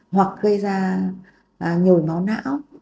hoặc gây ra